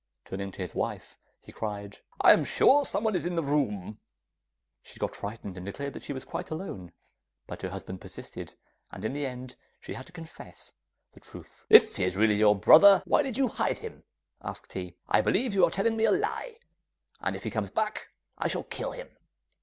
Turning to his wife, he cried, 'I am sure someone is in the room!' She got frightened, and declared that she was quite alone, but her husband persisted, and in the end she had to confess the truth. 'But if he is really your brother, why did you hide him?' asked he. 'I believe you are telling me a lie, and if he comes back I shall kill him!